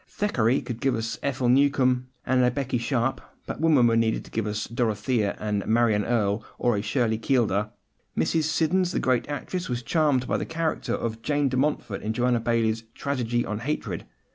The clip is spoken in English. Thackeray could give us an Ethel Newcome and a Becky Sharp, but women were needed to give us a Dorothea, a Marion Erle, or a Shirley Keeldar. Mrs. Siddons, the great actress, was charmed by the character of Jane de Montfort in Joanna Baillie's Tragedy on Hatred.